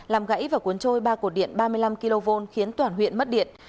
làm gãy và cuốn trôi ba cột điện ba mươi năm kv khiến toàn huyện mất điện